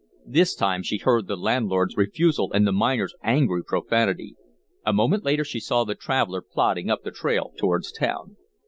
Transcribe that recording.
This time she heard the landlord's refusal and the miner's angry profanity. A moment later she saw the traveller plodding up the trail towards town.